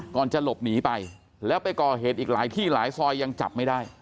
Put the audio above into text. ก่อนจะหลบหนีไปแล้วไปก่อเหตุอีกหลายที่หลายซอยยังจับไม่ได้